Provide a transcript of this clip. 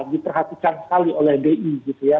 diperhatikan sekali oleh bi gitu ya